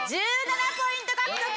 １７ポイント獲得！